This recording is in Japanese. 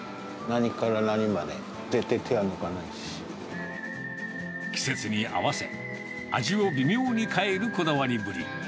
何から何まで、絶対、手は抜かな季節に合わせ、味を微妙に変えるこだわりぶり。